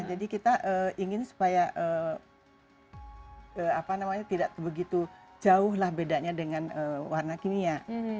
jadi kita ingin supaya tidak begitu jauh bedanya dengan warna kimia